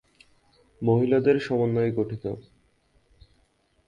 মহিলাদের সমন্বয়ে গঠিত।